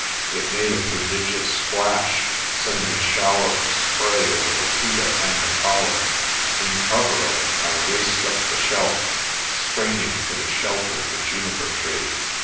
It made a prodigious splash, sending a shower of spray over Laputa and the Collar. In cover of it I raced up the shelf, strain ing for the shelter of the juniper tree.